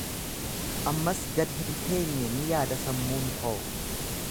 Ammas gad hin teenye, ni yaada sammuun koo